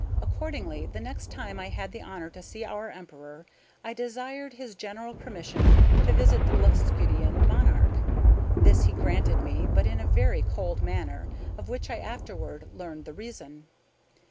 Accordingly, the next time I had the honor to see our Emperor I desired his general permission to visit the Blefuscudian monarch. This he granted me, but in a very cold manner, of which I afterward learned the reason.